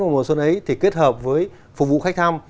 mùa xuân ấy thì kết hợp với phục vụ khách thăm